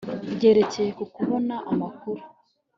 ryerekeye ku kubona amakuru